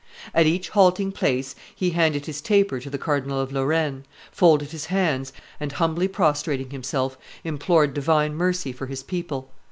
At each halting place he handed his taper to the Cardinal of Lorraine, folded his hands, and humbly prostrating himself, implored divine mercy for his people.